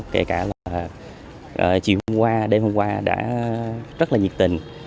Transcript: kể cả là chiều hôm qua đêm hôm qua đã rất là nhiệt tình